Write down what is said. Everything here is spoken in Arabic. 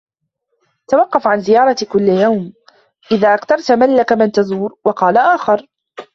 تَوَقَّفْ عَنْ زِيَارَةِ كُلِّ يَوْمٍ إذَا أَكْثَرْت مَلَّكَ مَنْ تَزُورُ وَقَالَ آخَرُ